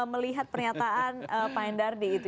melihat pernyataan pak endardi itu